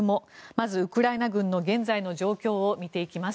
まず、ウクライナ軍の現在の状況を見ていきます。